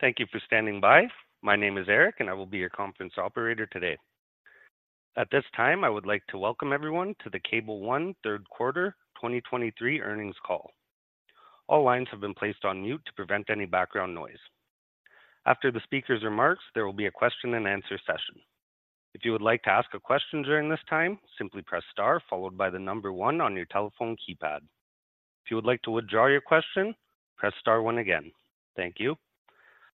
Thank you for standing by. My name is Eric, and I will be your conference operator today. At this time, I would like to welcome everyone to the Cable ONE Q3 2023 Earnings Call. All lines have been placed on mute to prevent any background noise. After the speaker's remarks, there will be a question and answer session. If you would like to ask a question during this time, simply press star followed by the number one on your telephone keypad. If you would like to withdraw your question, press star one again. Thank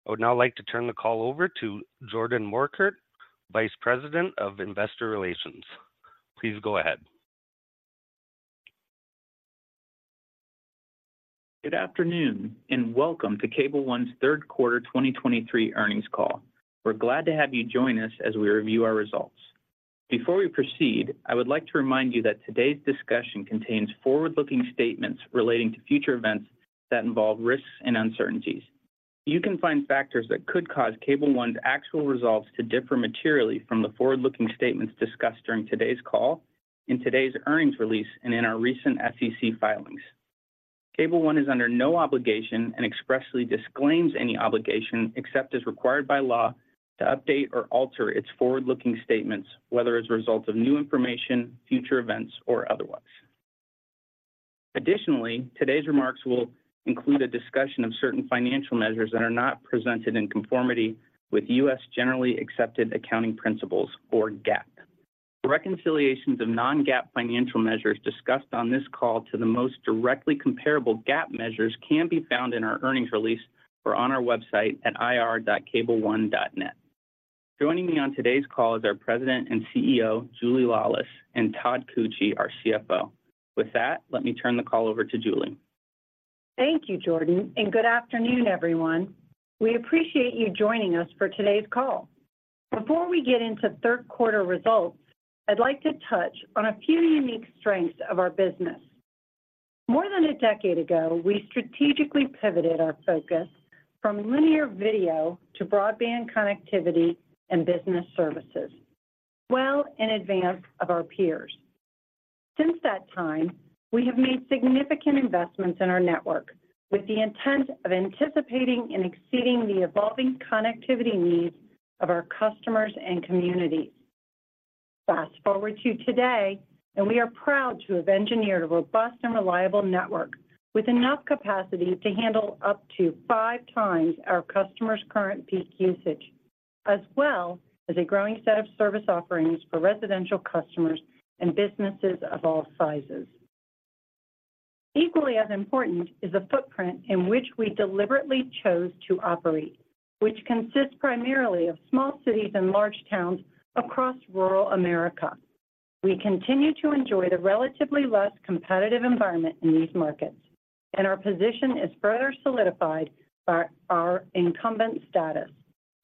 you. I would now like to turn the call over to Jordan Morkert, Vice President of Investor Relations. Please go ahead. Good afternoon, and welcome to Cable ONE's Q3 2023 earnings call. We're glad to have you join us as we review our results. Before we proceed, I would like to remind you that today's discussion contains forward-looking statements relating to future events that involve risks and uncertainties. You can find factors that could cause Cable ONE's actual results to differ materially from the forward-looking statements discussed during today's call in today's earnings release and in our recent SEC filings. Cable ONE is under no obligation and expressly disclaims any obligation, except as required by law, to update or alter its forward-looking statements, whether as a result of new information, future events, or otherwise. Additionally, today's remarks will include a discussion of certain financial measures that are not presented in conformity with US generally accepted accounting principles or GAAP. Reconciliations of non-GAAP financial measures discussed on this call to the most directly comparable GAAP measures can be found in our earnings release or on our website at ir.cableone.net. Joining me on today's call is our President and CEO, Julie Laulis, and Todd Koetje, our CFO. With that, let me turn the call over to Julie. Thank you, Jordan, and good afternoon, everyone. We appreciate you joining us for today's call. Before we get into Q3 results, I'd like to touch on a few unique strengths of our business. More than a decade ago, we strategically pivoted our focus from linear video to broadband connectivity and business services, well in advance of our peers. Since that time, we have made significant investments in our network with the intent of anticipating and exceeding the evolving connectivity needs of our customers and communities. Fast forward to today, and we are proud to have engineered a robust and reliable network with enough capacity to handle up to five times our customers' current peak usage, as well as a growing set of service offerings for residential customers and businesses of all sizes. Equally as important is a footprint in which we deliberately chose to operate, which consists primarily of small cities and large towns across rural America. We continue to enjoy the relatively less competitive environment in these markets, and our position is further solidified by our incumbent status,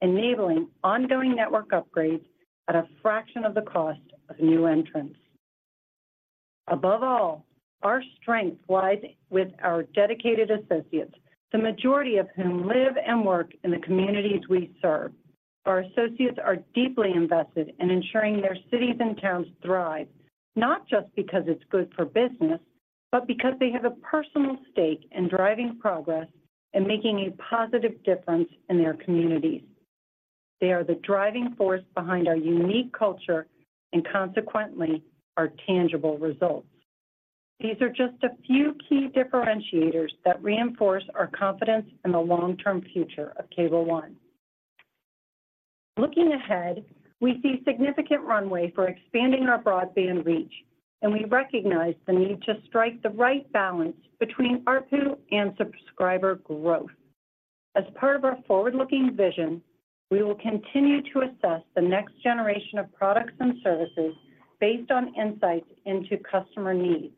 enabling ongoing network upgrades at a fraction of the cost of new entrants. Above all, our strength lies with our dedicated associates, the majority of whom live and work in the communities we serve. Our associates are deeply invested in ensuring their cities and towns thrive, not just because it's good for business, but because they have a personal stake in driving progress and making a positive difference in their communities. They are the driving force behind our unique culture and consequently, our tangible results. These are just a few key differentiators that reinforce our confidence in the long-term future of Cable ONE. Looking ahead, we see significant runway for expanding our broadband reach, and we recognize the need to strike the right balance between ARPU and subscriber growth. As part of our forward-looking vision, we will continue to assess the next generation of products and services based on insights into customer needs.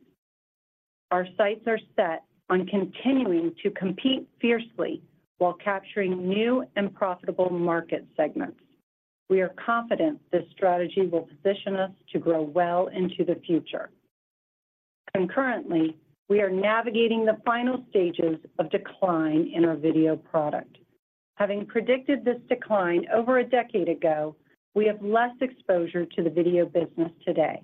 Our sights are set on continuing to compete fiercely while capturing new and profitable market segments. We are confident this strategy will position us to grow well into the future. Concurrently, we are navigating the final stages of decline in our video product. Having predicted this decline over a decade ago, we have less exposure to the video business today.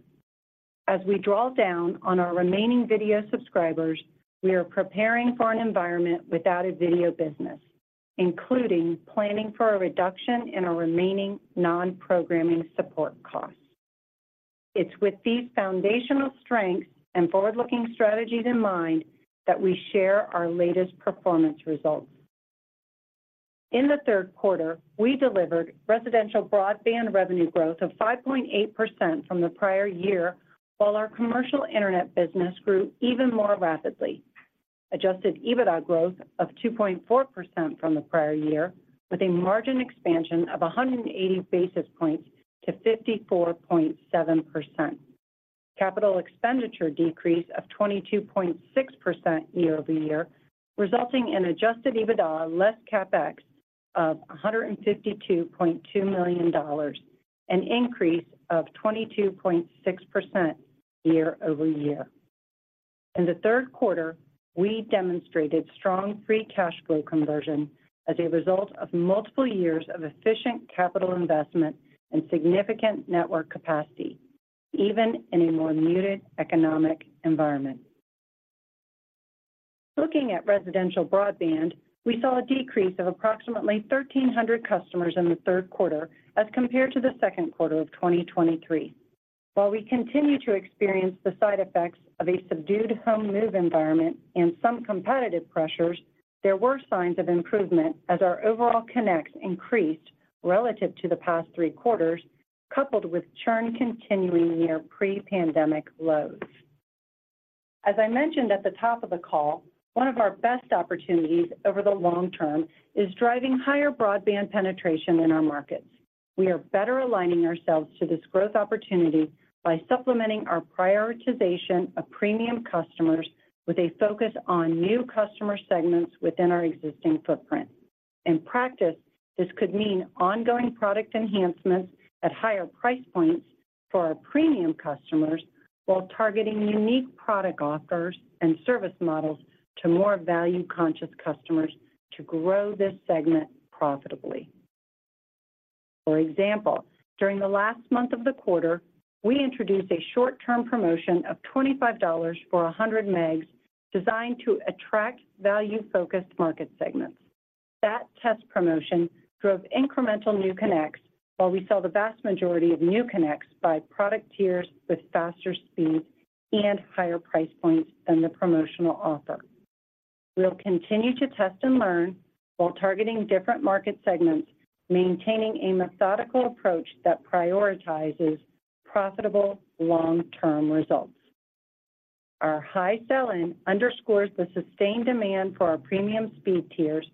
As we draw down on our remaining video subscribers, we are preparing for an environment without a video business, including planning for a reduction in our remaining non-programming support costs. It's with these foundational strengths and forward-looking strategies in mind that we share our latest performance results. In the Q3, we delivered residential broadband revenue growth of 5.8% from the prior year, while our commercial internet business grew even more rapidly. Adjusted EBITDA growth of 2.4% from the prior year, with a margin expansion of 180 basis points to 54.7%. Capital expenditure decrease of 22.6% year-over-year, resulting in adjusted EBITDA less CapEx of $152.2 million, an increase of 22.6% year-over-year. In the Q3, we demonstrated strong free cash flow conversion as a result of multiple years of efficient capital investment and significant network capacity, even in a more muted economic environment. Looking at residential broadband, we saw a decrease of approximately 1,300 customers in the Q3 as compared to the Q2 of 2023. While we continue to experience the side effects of a subdued home move environment and some competitive pressures, there were signs of improvement as our overall connects increased relative to the past three quarters, coupled with churn continuing near pre-pandemic lows. As I mentioned at the top of the call, one of our best opportunities over the long term is driving higher broadband penetration in our markets. We are better aligning ourselves to this growth opportunity by supplementing our prioritization of premium customers with a focus on new customer segments within our existing footprint. In practice, this could mean ongoing product enhancements at higher price points for our premium customers, while targeting unique product offers and service models to more value-conscious customers to grow this segment profitably. For example, during the last month of the quarter, we introduced a short-term promotion of $25 for 100 MB, designed to attract value-focused market segments. That test promotion drove incremental new connects, while we saw the vast majority of new connects by product tiers with faster speeds and higher price points than the promotional offer. We'll continue to test and learn while targeting different market segments, maintaining a methodical approach that prioritizes profitable, long-term results. Our high sell-in underscores the sustained demand for our premium speed tiers,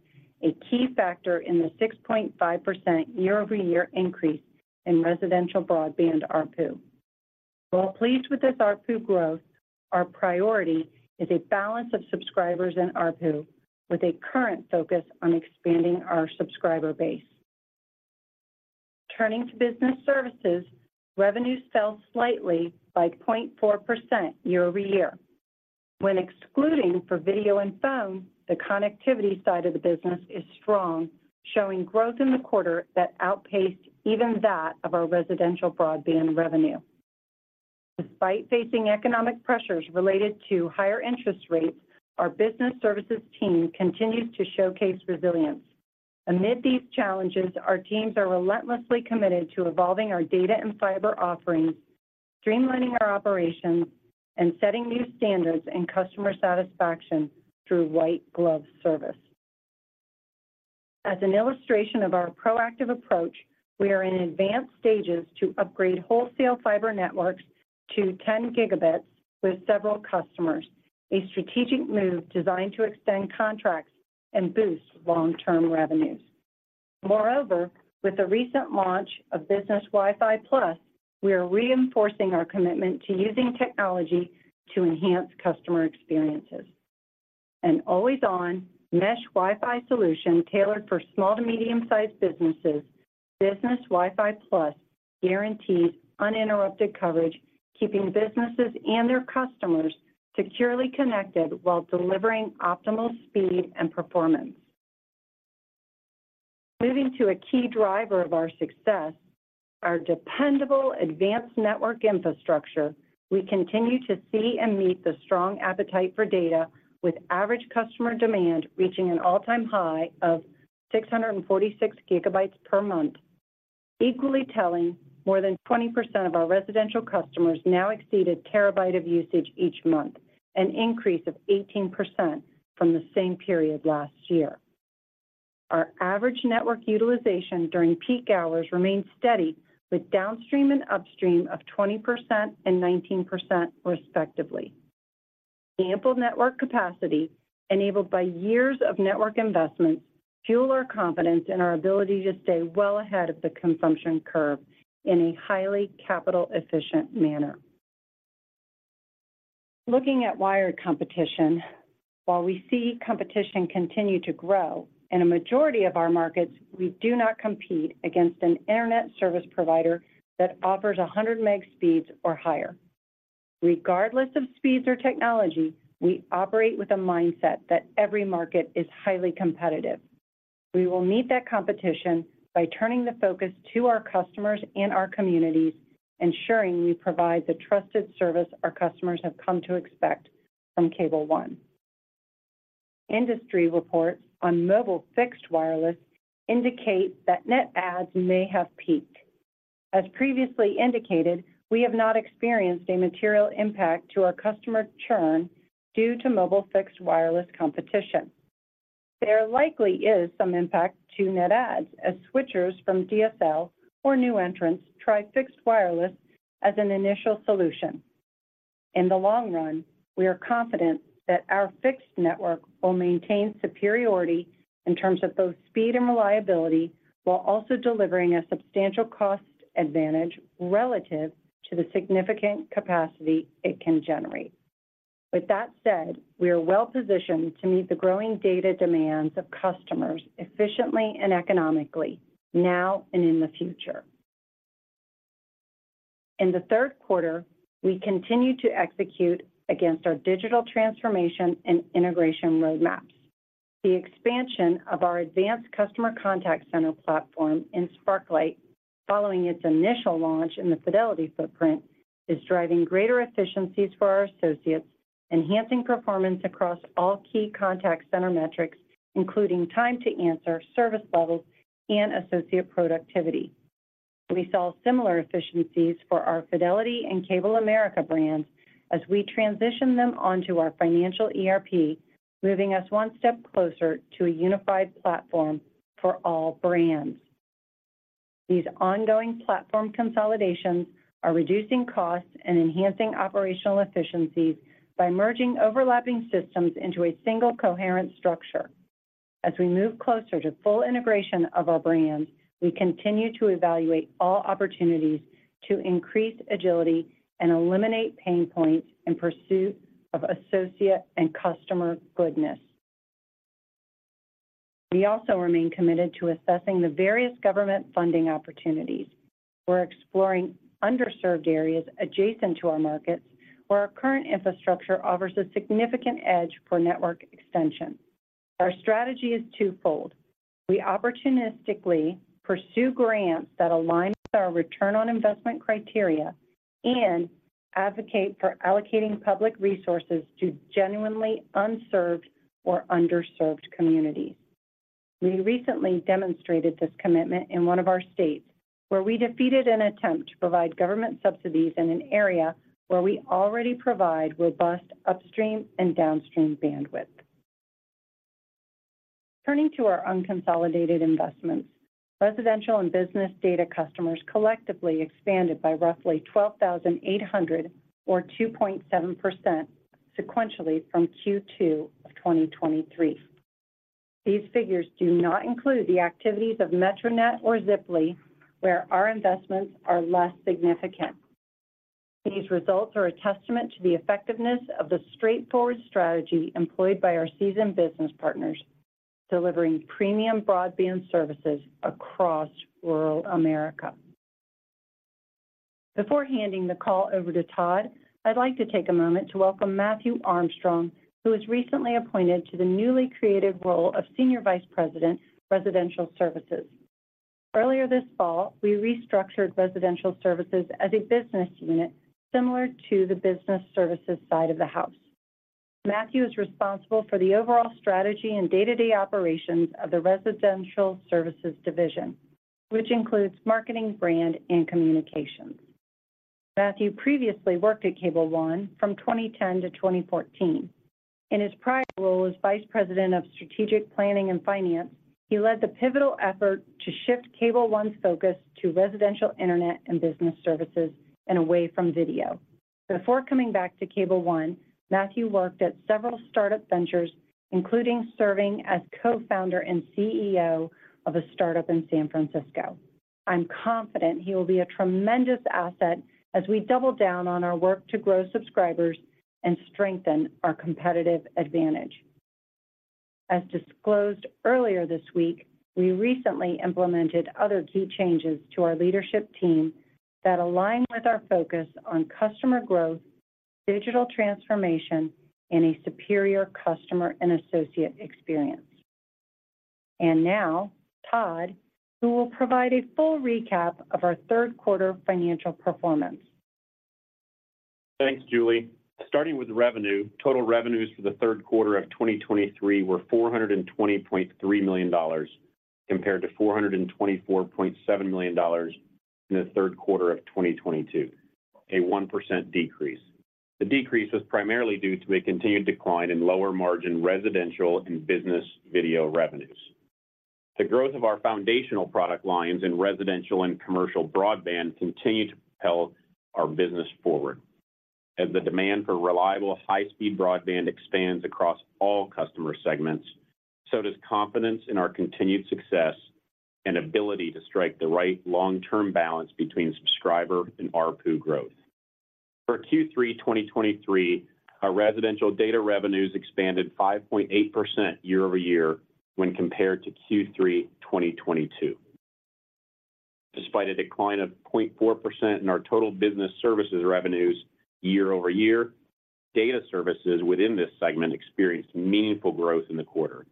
a key factor in the 6.5% year-over-year increase in residential broadband ARPU. While pleased with this ARPU growth, our priority is a balance of subscribers and ARPU, with a current focus on expanding our subscriber base. Turning to business services, revenues fell slightly by 0.4% year-over-year. When excluding for video and phone, the connectivity side of the business is strong, showing growth in the quarter that outpaced even that of our residential broadband revenue. Despite facing economic pressures related to higher interest rates, our business services team continues to showcase resilience. Amid these challenges, our teams are relentlessly committed to evolving our data and fiber offerings, streamlining our operations, and setting new standards in customer satisfaction through white glove service. As an illustration of our proactive approach, we are in advanced stages to upgrade wholesale fiber networks to 10 gigabits with several customers, a strategic move designed to extend contracts and boost long-term revenues. Moreover, with the recent launch of Business Wi-Fi Plus, we are reinforcing our commitment to using technology to enhance customer experiences. An always-on mesh Wi-Fi solution tailored for small to medium-sized businesses, Business Wi-Fi Plus guarantees uninterrupted coverage, keeping businesses and their customers securely connected while delivering optimal speed and performance. Moving to a key driver of our success, our dependable advanced network infrastructure, we continue to see and meet the strong appetite for data, with average customer demand reaching an all-time high of 646 GB per month. Equally telling, more than 20% of our residential customers now exceeded terabyte of usage each month, an increase of 18% from the same period last year. Our average network utilization during peak hours remains steady, with downstream and upstream of 20% and 19%, respectively. The ample network capacity, enabled by years of network investments, fuel our confidence in our ability to stay well ahead of the consumption curve in a highly capital-efficient manner. Looking at wired competition, while we see competition continue to grow, in a majority of our markets, we do not compete against an internet service provider that offers 100 MB speeds or higher. Regardless of speeds or technology, we operate with a mindset that every market is highly competitive. We will meet that competition by turning the focus to our customers and our communities, ensuring we provide the trusted service our customers have come to expect from Cable ONE. Industry reports on mobile fixed wireless indicate that net adds may have peaked. As previously indicated, we have not experienced a material impact to our customer churn due to mobile fixed wireless competition. There likely is some impact to net adds as switchers from DSL or new entrants try fixed wireless as an initial solution. In the long run, we are confident that our fixed network will maintain superiority in terms of both speed and reliability, while also delivering a substantial cost advantage relative to the significant capacity it can generate. With that said, we are well positioned to meet the growing data demands of customers efficiently and economically, now and in the future. In the Q3, we continued to execute against our digital transformation and integration roadmaps. The expansion of our advanced customer contact center platform in Sparklight, following its initial launch in the Fidelity footprint, is driving greater efficiencies for our associates, enhancing performance across all key contact center metrics, including time to answer, service levels, and associate productivity. We saw similar efficiencies for our Fidelity and Cable America brands as we transition them onto our financial ERP, moving us one step closer to a unified platform for all brands. These ongoing platform consolidations are reducing costs and enhancing operational efficiencies by merging overlapping systems into a single coherent structure. As we move closer to full integration of our brands, we continue to evaluate all opportunities to increase agility and eliminate pain points in pursuit of associate and customer goodness. We also remain committed to assessing the various government funding opportunities. We're exploring underserved areas adjacent to our markets, where our current infrastructure offers a significant edge for network extension. Our strategy is twofold: We opportunistically pursue grants that align with our return on investment criteria and advocate for allocating public resources to genuinely unserved or underserved communities. We recently demonstrated this commitment in one of our states, where we defeated an attempt to provide government subsidies in an area where we already provide robust upstream and downstream bandwidth. Turning to our unconsolidated investments, residential and business data customers collectively expanded by roughly 12,800 or 2.7% sequentially from Q2 of 2023. These figures do not include the activities of MetroNet or Ziply, where our investments are less significant. These results are a testament to the effectiveness of the straightforward strategy employed by our seasoned business partners, delivering premium broadband services across rural America. Before handing the call over to Todd, I'd like to take a moment to welcome Matthew Armstrong, who was recently appointed to the newly created role of Senior Vice President, Residential Services. Earlier this fall, we restructured residential services as a business unit similar to the business services side of the house. Matthew is responsible for the overall strategy and day-to-day operations of the Residential Services division, which includes marketing, brand, and communications. Matthew previously worked at Cable ONE from 2010 to 2014. In his prior role as Vice President of Strategic Planning and Finance, he led the pivotal effort to shift Cable ONE's focus to residential internet and business services and away from video. Before coming back to Cable ONE, Matthew worked at several startup ventures, including serving as co-founder and CEO of a startup in San Francisco. I'm confident he will be a tremendous asset as we double down on our work to grow subscribers and strengthen our competitive advantage. As disclosed earlier this week, we recently implemented other key changes to our leadership team that align with our focus on customer growth, digital transformation, and a superior customer and associate experience. And now, Todd, who will provide a full recap of our Q3 financial performance. Thanks, Julie. Starting with revenue, total revenues for the Q3 of 2023 were $420.3 million, compared to $424.7 million in the Q3 of 2022, a 1% decrease. The decrease was primarily due to a continued decline in lower margin residential and business video revenues. The growth of our foundational product lines in residential and commercial broadband continued to propel our business forward. As the demand for reliable, high-speed broadband expands across all customer segments, so does confidence in our continued success and ability to strike the right long-term balance between subscriber and ARPU growth. For Q3 2023, our residential data revenues expanded 5.8% year-over-year when compared to Q3 2022. Despite a decline of 0.4% in our total business services revenues year-over-year, data services within this segment experienced meaningful growth in the quarter.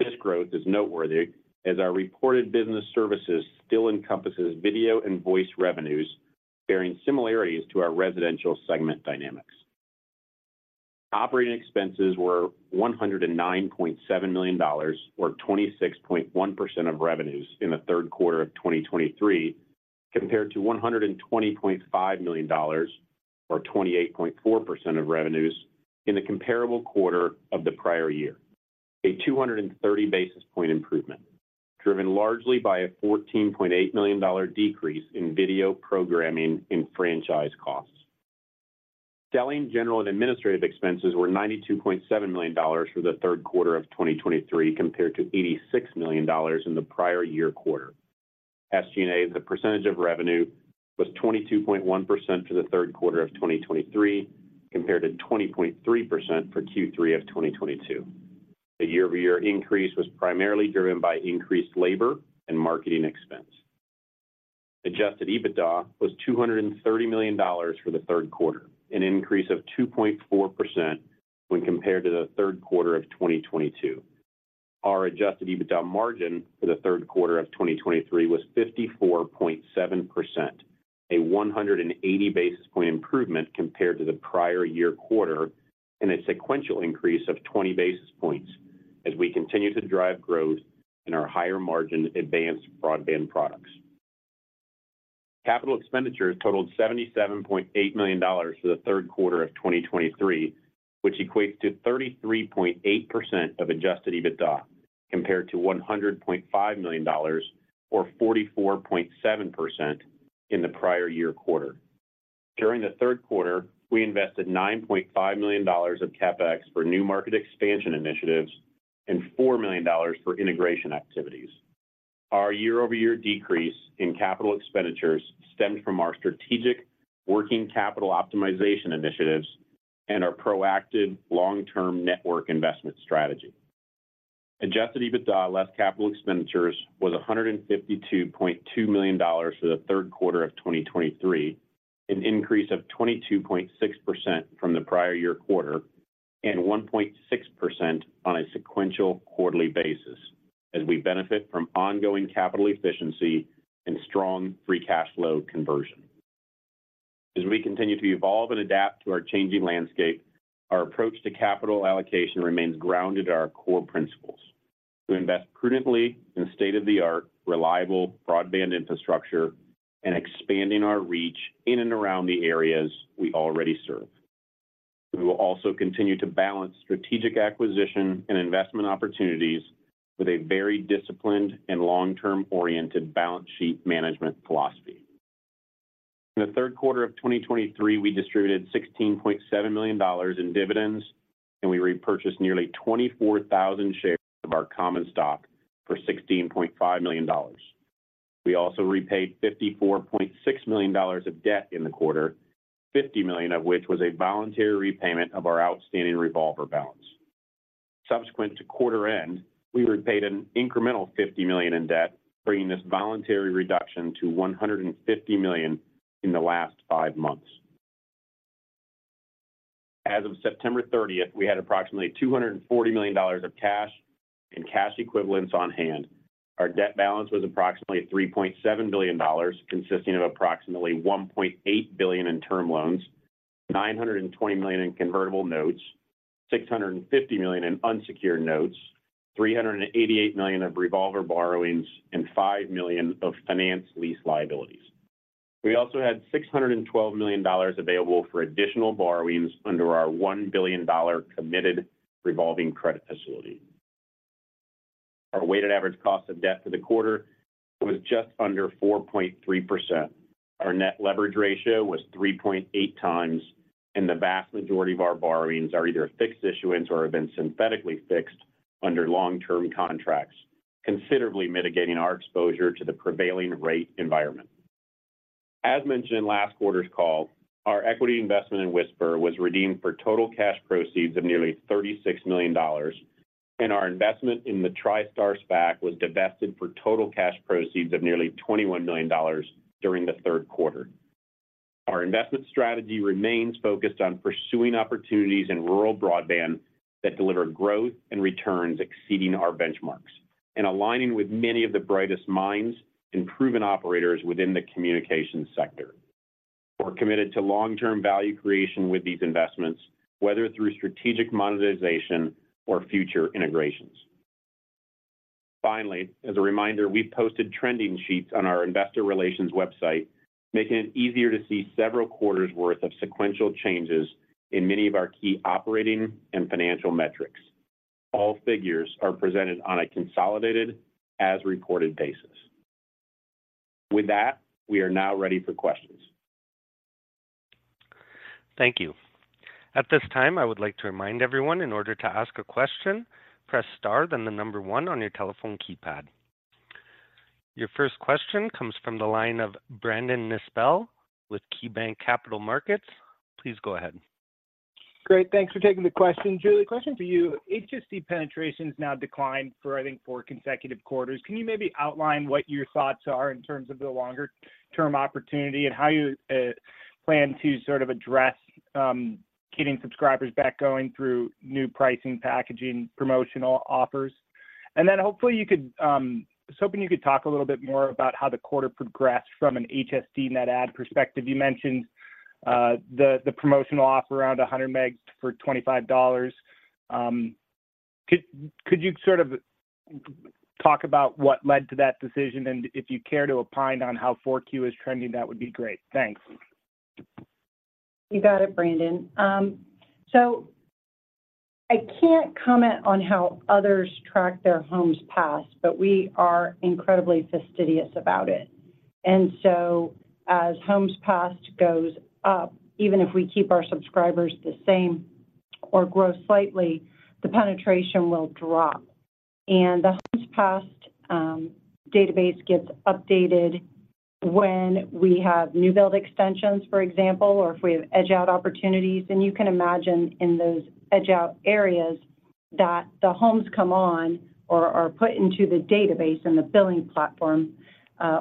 This growth is noteworthy as our reported business services still encompasses video and voice revenues, bearing similarities to our residential segment dynamics. Operating expenses were $109.7 million, or 26.1% of revenues in the Q3 of 2023, compared to $120.5 million, or 28.4% of revenues, in the comparable quarter of the prior year. A 230 basis point improvement, driven largely by a $14.8 million decrease in video programming and franchise costs. Selling, General, and Administrative expenses were $92.7 million for the Q3 of 2023, compared to $86 million in the prior-year quarter. SG&A, as a percentage of revenue, was 22.1% for the Q3 of 2023, compared to 20.3% for Q3 of 2022. The year-over-year increase was primarily driven by increased labor and marketing expense. Adjusted EBITDA was $230 million for the Q3, an increase of 2.4% when compared to the Q3 of 2022. Our Adjusted EBITDA margin for the Q3 of 2023 was 54.7%, a 180 basis point improvement compared to the prior year quarter, and a sequential increase of 20 basis points as we continue to drive growth in our higher-margin advanced broadband products. Capital expenditures totaled $77.8 million for the Q3 of 2023, which equates to 33.8% of adjusted EBITDA, compared to $100.5 million, or 44.7%, in the prior year quarter. During the Q3, we invested $9.5 million of CapEx for new market expansion initiatives and $4 million for integration activities. Our year-over-year decrease in capital expenditures stemmed from our strategic working capital optimization initiatives and our proactive long-term network investment strategy. Adjusted EBITDA less capital expenditures was $152.2 million for the Q3 of 2023, an increase of 22.6% from the prior year quarter and 1.6% on a sequential quarterly basis, as we benefit from ongoing capital efficiency and strong free cash flow conversion. As we continue to evolve and adapt to our changing landscape, our approach to capital allocation remains grounded in our core principles: to invest prudently in state-of-the-art, reliable broadband infrastructure and expanding our reach in and around the areas we already serve. We will also continue to balance strategic acquisition and investment opportunities with a very disciplined and long-term oriented balance sheet management philosophy. In the Q3 of 2023, we distributed $16.7 million in dividends, and we repurchased nearly 24,000 shares of our common stock for $16.5 million. We also repaid $54.6 million of debt in the quarter, $50 million of which was a voluntary repayment of our outstanding revolver balance. Subsequent to quarter end, we repaid an incremental $50 million in debt, bringing this voluntary reduction to $150 million in the last five months. As of September 30th, we had approximately $240 million of cash and cash equivalents on hand. Our debt balance was approximately $3.7 billion, consisting of approximately $1.8 billion in term loans, $920 million in convertible notes, $650 million in unsecured notes, $388 million of revolver borrowings, and $5 million of finance lease liabilities. We also had $612 million available for additional borrowings under our $1 billion committed revolving credit facility. Our weighted average cost of debt for the quarter was just under 4.3%. Our net leverage ratio was 3.8x, and the vast majority of our borrowings are either fixed issuance or have been synthetically fixed under long-term contracts, considerably mitigating our exposure to the prevailing rate environment. As mentioned in last quarter's call, our equity investment in Wisper was redeemed for total cash proceeds of nearly $36 million, and our investment in the TriStar SPAC was divested for total cash proceeds of nearly $21 million during the Q3. Our investment strategy remains focused on pursuing opportunities in rural broadband that deliver growth and returns exceeding our benchmarks and aligning with many of the brightest minds and proven operators within the communications sector. We're committed to long-term value creation with these investments, whether through strategic monetization or future integrations. Finally, as a reminder, we've posted trending sheets on our investor relations website, making it easier to see several quarters' worth of sequential changes in many of our key operating and financial metrics. All figures are presented on a consolidated as-reported basis. With that, we are now ready for questions. Thank you. At this time, I would like to remind everyone, in order to ask a question, press star, then the number one on your telephone keypad. Your first question comes from the line of Brandon Nispel with KeyBanc Capital Markets. Please go ahead. Great, thanks for taking the question. Julie, question for you. HSD penetration's now declined for, I think, four consecutive quarters. Can you maybe outline what your thoughts are in terms of the longer-term opportunity and how you plan to sort of address getting subscribers back, going through new pricing, packaging, promotional offers? And then hopefully, you could. I was hoping you could talk a little bit more about how the quarter progressed from an HSD net add perspective. You mentioned the promotional offer around 100 MB for $25. Could you sort of talk about what led to that decision, and if you care to opine on how 4Q is trending, that would be great. Thanks. You got it, Brandon. So I can't comment on how others track their homes passed, but we are incredibly fastidious about it. And so as homes passed goes up, even if we keep our subscribers the same or grow slightly, the penetration will drop. And the homes passed database gets updated when we have new build extensions, for example, or if we have edge-out opportunities. And you can imagine in those edge-out areas that the homes come on or put into the database and the billing platform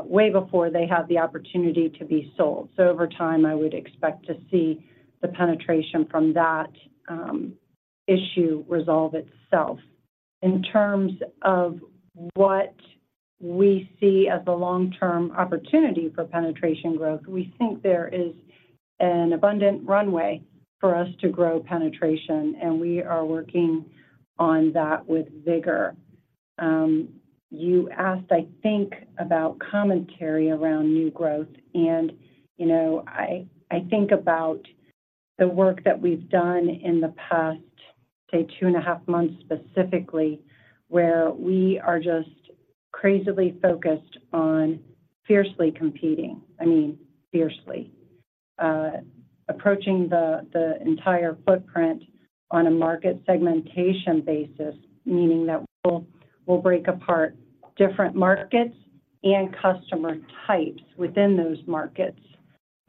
way before they have the opportunity to be sold. So over time, I would expect to see the penetration from that issue resolve itself. In terms of what we see as the long-term opportunity for penetration growth, we think there is an abundant runway for us to grow penetration, and we are working on that with vigor. You asked, I think, about commentary around new growth, and, you know, I think about the work that we've done in the past, say, two and a half months, specifically, where we are just crazily focused on fiercely competing. I mean, fiercely. Approaching the entire footprint on a market segmentation basis, meaning that we'll break apart different markets and customer types within those markets,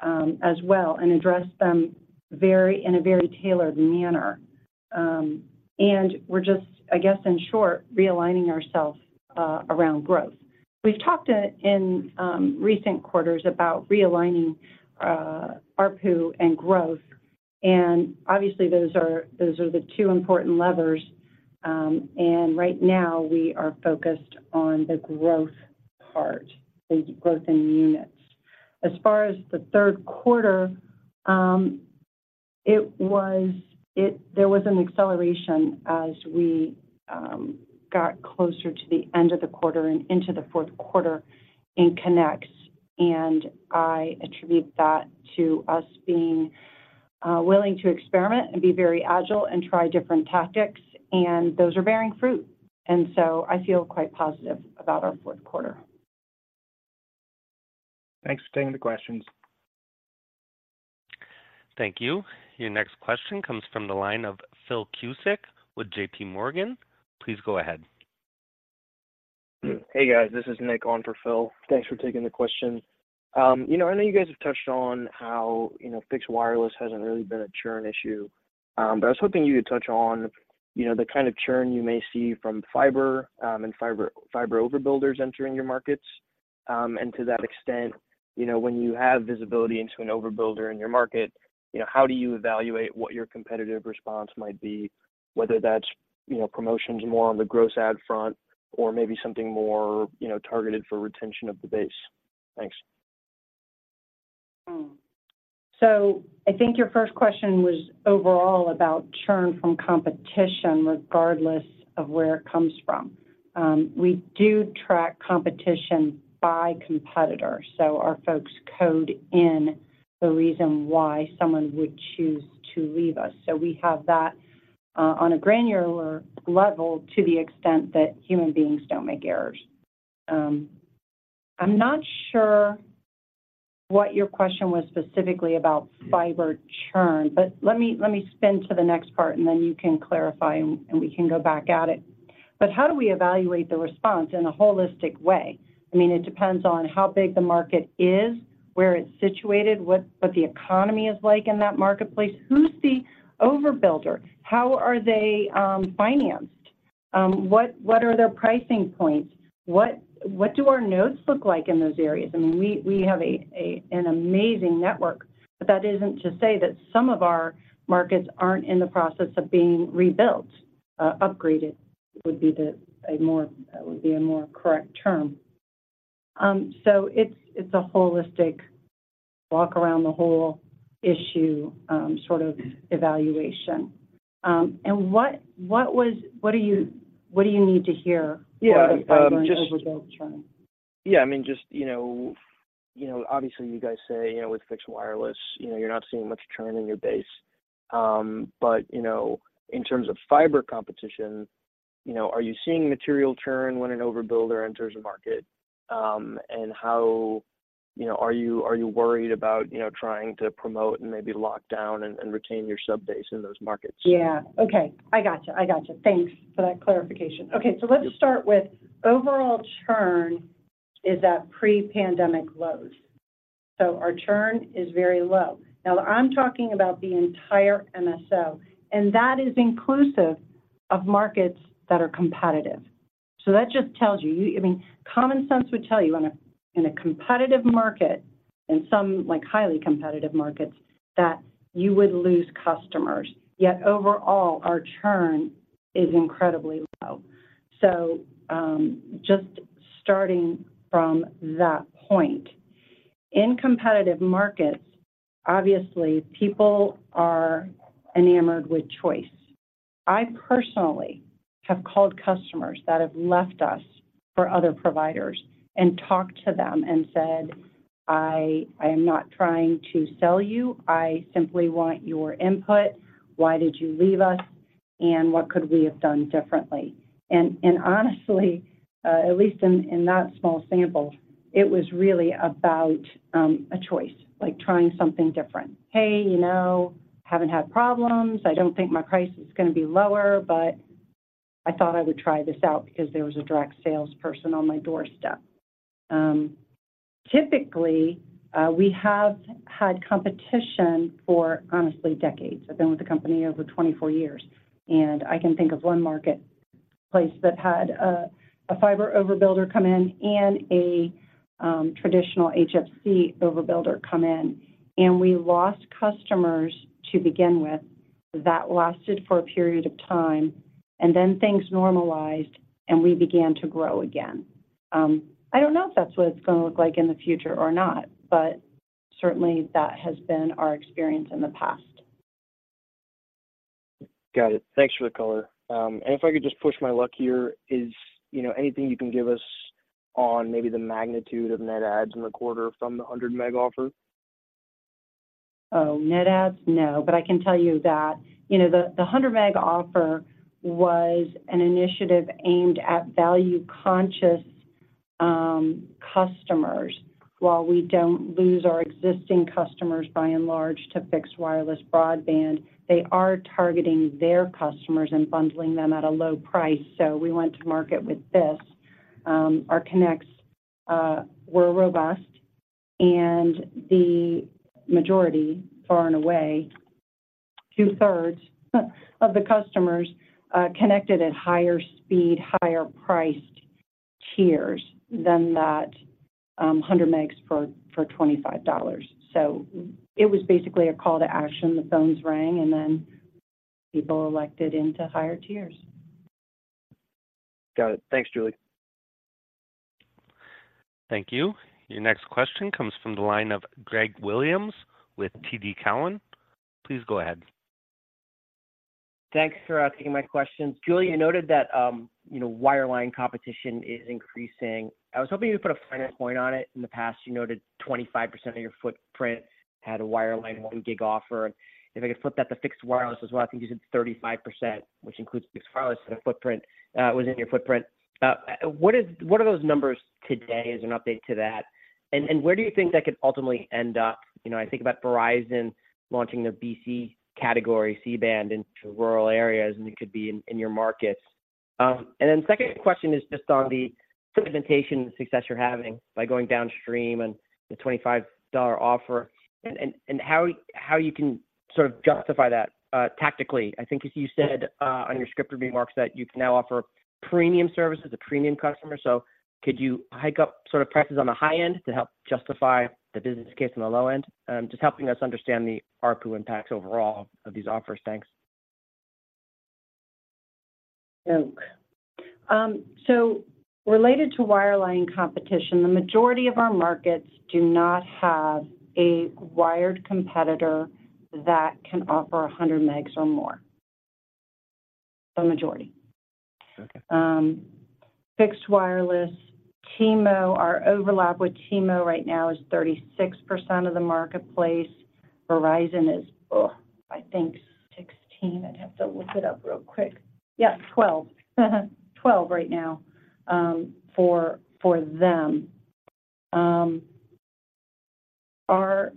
as well, and address them in a very tailored manner. And we're just, I guess, in short, realigning ourselves around growth. We've talked in recent quarters about realigning ARPU and growth, and obviously those are the two important levers, and right now we are focused on the growth part, the growth in units. As far as the Q3, there was an acceleration as we got closer to the end of the quarter and into the Q4 in Connects, and I attribute that to us being willing to experiment and be very agile and try different tactics, and those are bearing fruit, and so I feel quite positive about our Q4. Thanks for taking the questions. Thank you. Your next question comes from the line of Phil Cusick with JP Morgan. Please go ahead. Hey, guys, this is Nick on for Phil. Thanks for taking the question. You know, I know you guys have touched on how, you know, fixed wireless hasn't really been a churn issue, but I was hoping you would touch on, you know, the kind of churn you may see from fiber, and fiber overbuilders entering your markets. And to that extent, you know, when you have visibility into an overbuilder in your market, you know, how do you evaluate what your competitive response might be, whether that's, you know, promotions more on the gross add front or maybe something more, you know, targeted for retention of the base? Thanks. So I think your first question was overall about churn from competition, regardless of where it comes from. We do track competition by competitor, so our folks code in the reason why someone would choose to leave us. So we have that on a granular level to the extent that human beings don't make errors. I'm not sure what your question was specifically about fiber churn, but let me spin to the next part, and then you can clarify, and we can go back at it. But how do we evaluate the response in a holistic way? I mean, it depends on how big the market is, where it's situated, what the economy is like in that marketplace. Who's the overbuilder? How are they financed? What are their pricing points? What do our notes look like in those areas? I mean, we have an amazing network, but that isn't to say that some of our markets aren't in the process of being rebuilt, upgraded, would be a more correct term. So it's a holistic walk around the whole issue, sort of evaluation. And what do you need to hear. Yeah. About fiber and overbuild churn? Yeah, I mean, just, you know, you know, obviously, you guys say, you know, with fixed wireless, you know, you're not seeing much churn in your base. But, you know, in terms of fiber competition, you know, are you seeing material churn when an overbuilder enters a market? And how, you know, are you, are you worried about, you know, trying to promote and maybe lock down and, and retain your subbase in those markets? Yeah. Okay, I got you. I got you. Thanks for that clarification. Okay. So let's start with overall churn is at pre-pandemic lows, so our churn is very low. Now, I'm talking about the entire MSO, and that is inclusive of markets that are competitive. So that just tells you, you, I mean, common sense would tell you in a competitive market, in some, like, highly competitive markets, that you would lose customers. Yet overall, our churn is incredibly low. So, just starting from that point, in competitive markets, obviously, people are enamored with choice. I personally have called customers that have left us for other providers and talked to them and said, "I am not trying to sell you. I simply want your input. Why did you leave us, and what could we have done differently?" And honestly, at least in that small sample, it was really about a choice, like trying something different. "Hey, you know, haven't had problems. I don't think my price is going to be lower, but I thought I would try this out because there was a direct salesperson on my doorstep." Typically, we have had competition for honestly, decades. I've been with the company over 24 years, and I can think of one marketplace that had a fiber overbuilder come in and a traditional HFC overbuilder come in, and we lost customers to begin with. That lasted for a period of time, and then things normalized, and we began to grow again. I don't know if that's what it's going to look like in the future or not, but certainly, that has been our experience in the past. Got it. Thanks for the color. If I could just push my luck here, is, you know, anything you can give us on maybe the magnitude of net adds in the quarter from the 100 MB offer? Oh, net adds? No, but I can tell you that, you know, the 100 MB offer was an initiative aimed at value-conscious customers. While we don't lose our existing customers by and large to fixed wireless broadband, they are targeting their customers and bundling them at a low price, so we went to market with this. Our connects were robust, and the majority, far and away, two-thirds of the customers connected at higher speed, higher priced tiers than that 100 MB for $25. So it was basically a call to action. The phones rang, and then people elected into higher tiers. Got it. Thanks, Julie. Thank you. Your next question comes from the line of Greg Williams with TD Cowen. Please go ahead. Thanks for taking my questions. Julie, you noted that, you know, wireline competition is increasing. I was hoping you could put a finer point on it. In the past, you noted 25% of your footprint had a wireline 1 gig offer. If I could flip that to fixed wireless as well, I think you said 35%, which includes fixed wireless in a footprint, was in your footprint. What are those numbers today as an update to that, and where do you think that could ultimately end up? You know, I think about Verizon launching their BC category, C-band, into rural areas, and it could be in your markets. And then second question is just on the implementation success you're having by going downstream and the $25 offer and how you can sort of justify that, tactically. I think as you said, on your scripted remarks, that you can now offer premium services, a premium customer, so could you hike up sort of prices on the high end to help justify the business case on the low end? Just helping us understand the ARPU impacts overall of these offers. Thanks. So related to wireline competition, the majority of our markets do not have a wired competitor that can offer 100 MB or more. The majority. Okay. Fixed wireless, T-Mo, our overlap with T-Mo right now is 36% of the marketplace. Verizon is, I think sixteen. I'd have to look it up real quick. Yeah, twelve. Twelve right now, for them. Our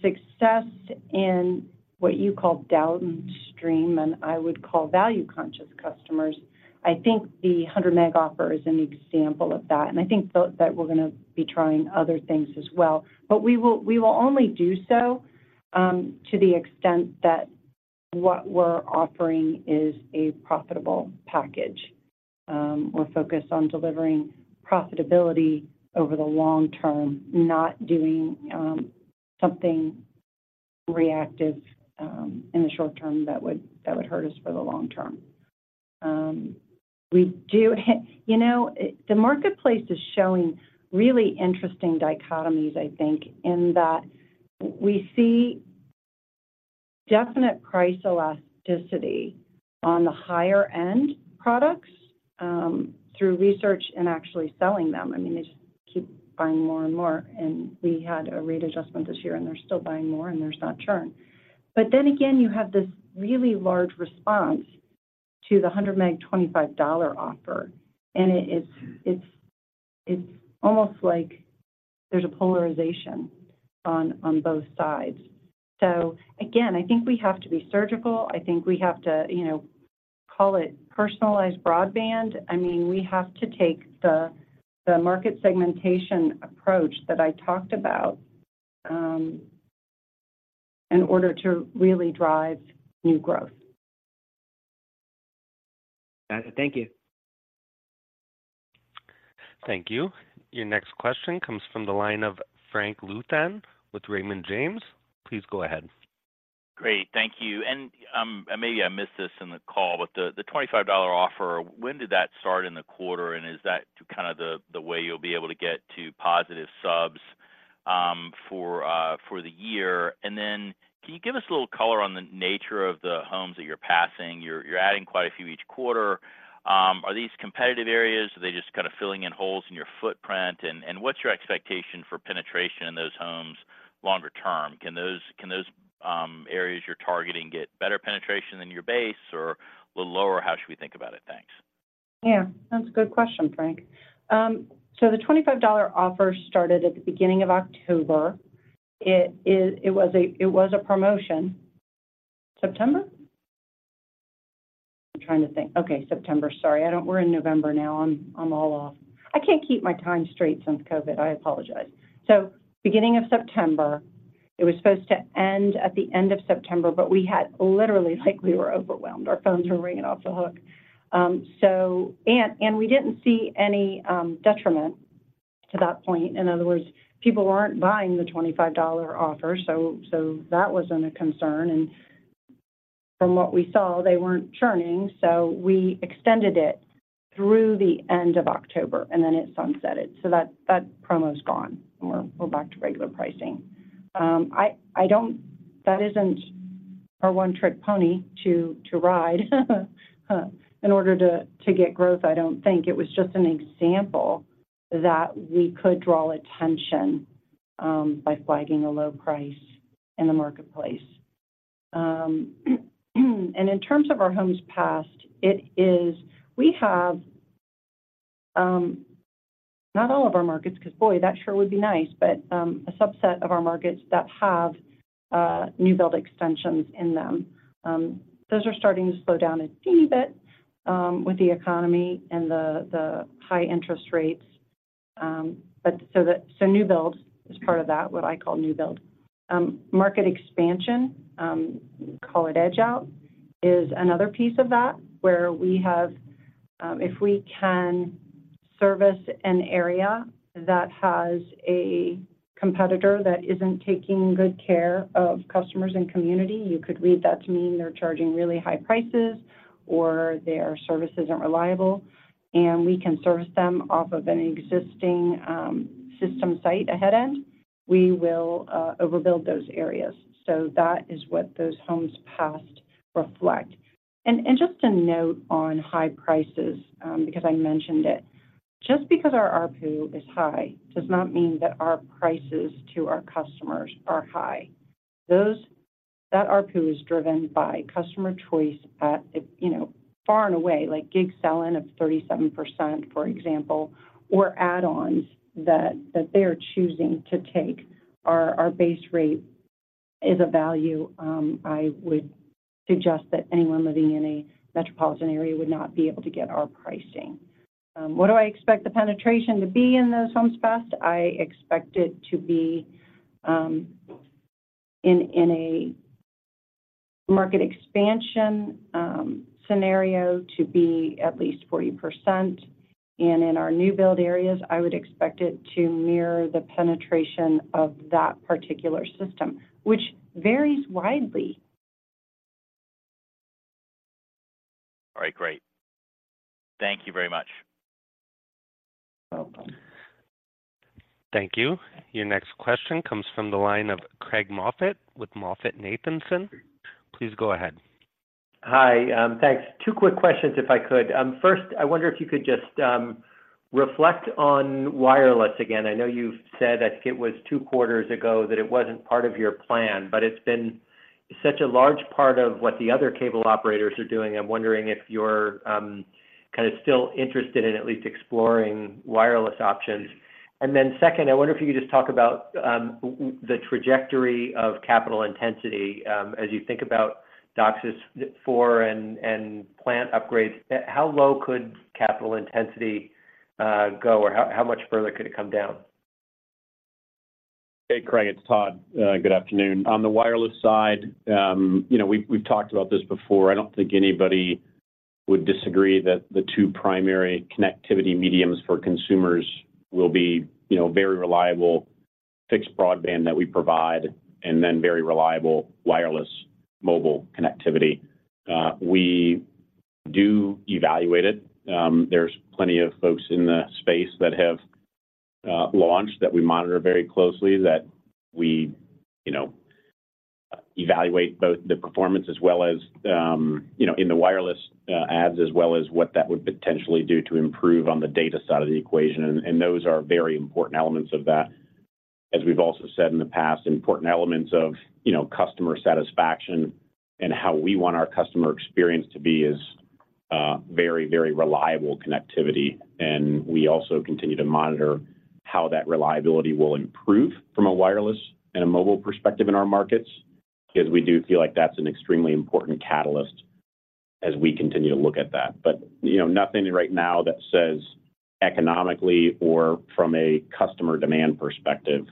success in what you call downstream, and I would call value-conscious customers, I think the 100 MB offer is an example of that, and I think that, we're going to be trying other things as well. But we will only do so, to the extent that what we're offering is a profitable package. We're focused on delivering profitability over the long term, not doing something reactive in the short term that would hurt us for the long term. We do. You know, the marketplace is showing really interesting dichotomies, I think, in that we see definite price elasticity on the higher-end products through research and actually selling them. I mean, they just keep buying more and more, and we had a rate adjustment this year, and they're still buying more, and there's not churn. But then again, you have this really large response to the 100 MB, $25 offer, and it's almost like there's a polarization on both sides. So again, I think we have to be surgical. I think we have to, you know, call it personalized broadband. I mean, we have to take the market segmentation approach that I talked about in order to really drive new growth. Got it. Thank you. Thank you. Your next question comes from the line of Frank Louthan with Raymond James. Please go ahead. Great. Thank you. And, maybe I missed this in the call, but the $25 offer, when did that start in the quarter, and is that kind of the way you'll be able to get to positive subs for the year? And then can you give us a little color on the nature of the homes that you're passing? You're adding quite a few each quarter. Are these competitive areas? Are they just kind of filling in holes in your footprint, and what's your expectation for penetration in those homes longer term? Can those areas you're targeting get better penetration than your base or a little lower? How should we think about it? Thanks. Yeah, that's a good question, Frank. So the $25 offer started at the beginning of October. It was a promotion. September? I'm trying to think. Okay, September. Sorry. We're in November now. I'm all off. I can't keep my time straight since COVID. I apologize. So beginning of September, it was supposed to end at the end of September, but we had literally, like, we were overwhelmed. Our phones were ringing off the hook. So and we didn't see any detriment to that point. In other words, people weren't buying the $25 offer, so that wasn't a concern, and from what we saw, they weren't churning. So we extended it through the end of October, and then it sunsetted. So that promo's gone, and we're back to regular pricing. That isn't our one-trick pony to ride in order to get growth, I don't think. It was just an example that we could draw attention by flagging a low price in the marketplace. And in terms of our homes passed, it is. We have not all of our markets, because, boy, that sure would be nice, but a subset of our markets that have new build extensions in them. Those are starting to slow down a teeny bit with the economy and the high interest rates. But so new builds is part of that, what I call new build. Market expansion, we call it edge out, is another piece of that, where we have, if we can service an area that has a competitor that isn't taking good care of customers and community, you could read that to mean they're charging really high prices or their service isn't reliable, and we can service them off of an existing, system site, a headend, we will, overbuild those areas. So that is what those homes passed reflect. And just a note on high prices, because I mentioned it. Just because our ARPU is high does not mean that our prices to our customers are high. That ARPU is driven by customer choice at, you know, far and away, like gig selling of 37%, for example, or add-ons that, that they are choosing to take. Our base rate is a value. I would suggest that anyone living in a metropolitan area would not be able to get our pricing. What do I expect the penetration to be in those homes passed? I expect it to be in a market expansion scenario to be at least 40%. In our new build areas, I would expect it to mirror the penetration of that particular system, which varies widely. All right, great. Thank you very much. Welcome. Thank you. Your next question comes from the line of Craig Moffett with MoffettNathanson. Please go ahead. Hi. Thanks. Two quick questions, if I could. First, I wonder if you could just reflect on wireless again. I know you've said, I think it was two quarters ago, that it wasn't part of your plan, but it's been such a large part of what the other cable operators are doing. I'm wondering if you're kind of still interested in at least exploring wireless options. And then second, I wonder if you could just talk about the trajectory of capital intensity as you think about DOCSIS 4 and plant upgrades. How low could capital intensity go, or how much further could it come down? Hey, Craig, it's Todd. Good afternoon. On the wireless side, you know, we've talked about this before. I don't think anybody would disagree that the two primary connectivity mediums for consumers will be, you know, very reliable fixed broadband that we provide, and then very reliable wireless mobile connectivity. We do evaluate it. There's plenty of folks in the space that have launched that we monitor very closely, that we, you know, evaluate both the performance as well as, you know, in the wireless, adds, as well as what that would potentially do to improve on the data side of the equation. And those are very important elements of that. As we've also said in the past, important elements of, you know, customer satisfaction and how we want our customer experience to be is very, very reliable connectivity. We also continue to monitor how that reliability will improve from a wireless and a mobile perspective in our markets, because we do feel like that's an extremely important catalyst as we continue to look at that. But, you know, nothing right now that says economically or from a customer demand perspective,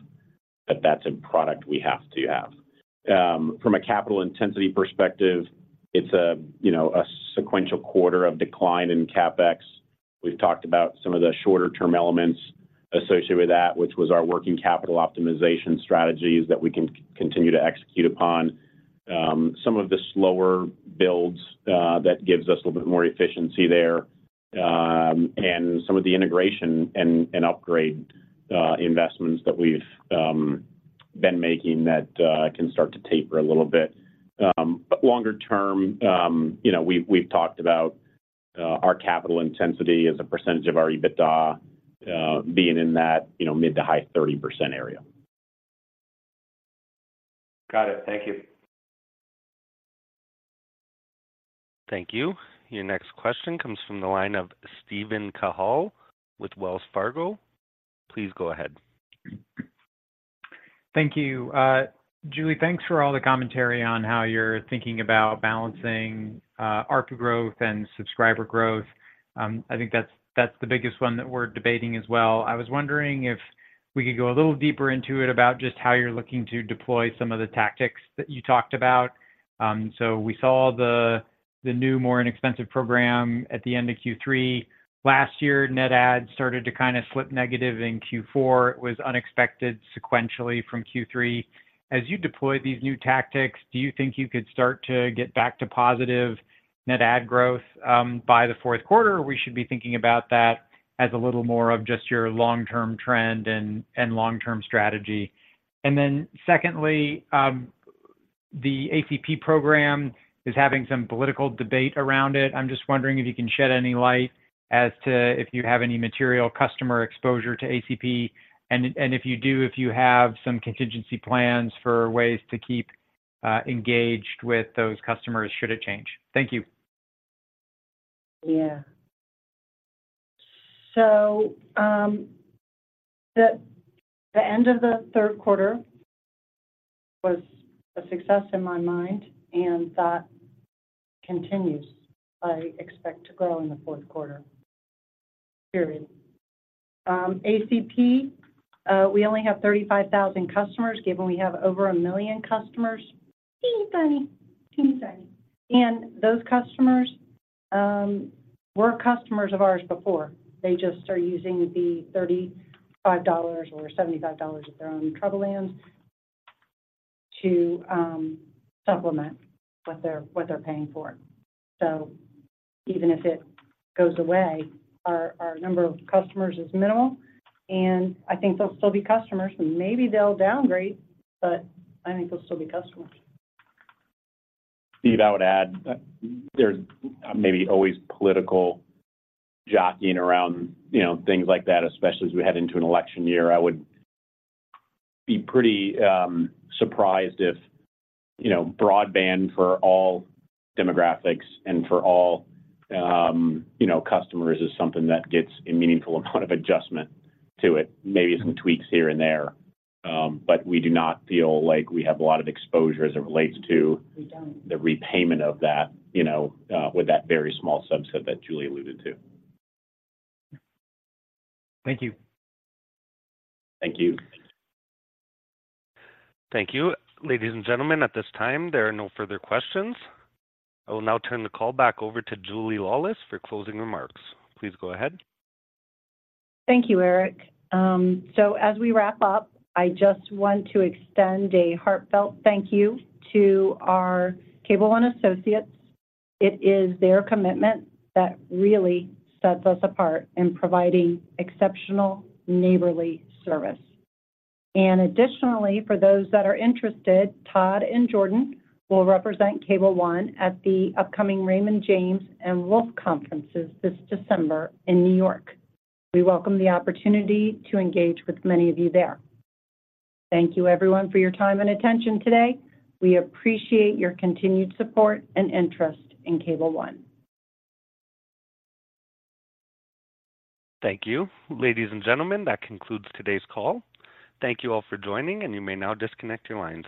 that that's a product we have to have. From a capital intensity perspective, it's you know, a sequential quarter of decline in CapEx. We've talked about some of the shorter-term elements associated with that, which was our working capital optimization strategies that we can continue to execute upon. Some of the slower builds that gives us a little bit more efficiency there, and some of the integration and upgrade investments that we've been making that can start to taper a little bit. But longer term, you know, we've talked about our capital intensity as a percentage of our EBITDA being in that, you know, mid- to high-30% area. Got it. Thank you. Thank you. Your next question comes from the line of Steven Cahall with Wells Fargo. Please go ahead. Thank you. Julie, thanks for all the commentary on how you're thinking about balancing ARPU growth and subscriber growth. I think that's the biggest one that we're debating as well. I was wondering if we could go a little deeper into it, about just how you're looking to deploy some of the tactics that you talked about. So we saw the new, more inexpensive program at the end of Q3 last year. Net add started to kind of slip negative in Q4. It was unexpected sequentially from Q3. As you deploy these new tactics, do you think you could start to get back to positive net add growth by the Q4? Or we should be thinking about that as a little more of just your long-term trend and long-term strategy. And then, secondly, the ACP program is having some political debate around it. I'm just wondering if you can shed any light as to if you have any material customer exposure to ACP. And if you do, if you have some contingency plans for ways to keep engaged with those customers, should it change? Thank you. Yeah. So, the end of the Q3 was a success in my mind, and that continues. I expect to grow in the Q4, period. ACP, we only have 35,000 customers, given we have over 1 million customers. Teeny, tiny. Teeny, tiny. And those customers were customers of ours before. They just are using the $35 or $75 of their own ACP to supplement what they're paying for. So even if it goes away, our number of customers is minimal, and I think they'll still be customers, and maybe they'll downgrade, but I think they'll still be customers. Steve, I would add, there's maybe always political jockeying around, you know, things like that, especially as we head into an election year. I would be pretty surprised if, you know, broadband for all demographics and for all, you know, customers is something that gets a meaningful amount of adjustment to it. Maybe some tweaks here and there, but we do not feel like we have a lot of exposure as it relates to. We don't. The repayment of that, you know, with that very small subset that Julie alluded to. Thank you. Thank you. Thank you. Ladies and gentlemen, at this time, there are no further questions. I will now turn the call back over to Julie Laulis for closing remarks. Please go ahead. Thank you, Eric. So as we wrap up, I just want to extend a heartfelt thank you to our Cable ONE associates. It is their commitment that really sets us apart in providing exceptional neighborly service. Additionally, for those that are interested, Todd and Jordan will represent Cable ONE at the upcoming Raymond James and Wolfe conferences this December in New York. We welcome the opportunity to engage with many of you there. Thank you, everyone, for your time and attention today. We appreciate your continued support and interest in Cable ONE. Thank you. Ladies and gentlemen, that concludes today's call. Thank you all for joining, and you may now disconnect your lines.